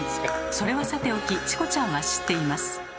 それはさておきチコちゃんは知っています。